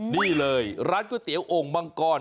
นี่เลยร้านก๋วยเตี๋ยวโอ่งมังกร